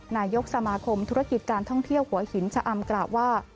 นายกสมาคมธุรกิจการท่องเที่ยวหัวหินชะอำกล่าวว่า